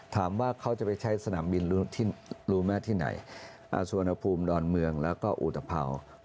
ถามว่าเขาจะไปใช้สนามบินรู้ไหมที่ไหนสุวรรณภูมิดอนเมืองแล้วก็อุตภาว